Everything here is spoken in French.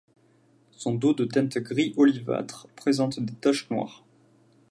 Son dos de teinte gris olivâtre présente des taches noires.